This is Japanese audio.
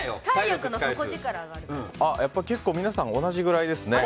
結構皆さん同じぐらいですね。